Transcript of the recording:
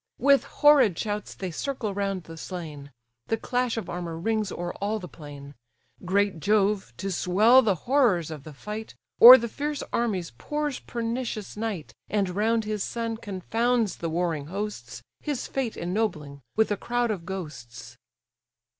With horrid shouts they circle round the slain; The clash of armour rings o'er all the plain. Great Jove, to swell the horrors of the fight, O'er the fierce armies pours pernicious night, And round his son confounds the warring hosts, His fate ennobling with a crowd of ghosts.